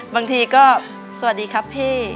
บางทีก็สวัสดีครับพี่